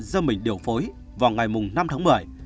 do mình điều phối vào ngày năm tháng một mươi